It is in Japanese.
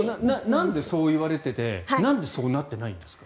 なんでそう言われていてなんでそうなってないんですか？